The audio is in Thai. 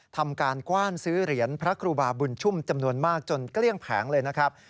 ทำการกว้านซื้อเหรียญพระครูบาบุญชุ่มจำนวนมากจนเกลี้ยงแผงเลยนะครับ